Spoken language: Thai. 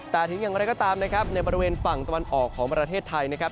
แต่ถึงอย่างไรก็ตามนะครับในบริเวณฝั่งตะวันออกของประเทศไทยนะครับ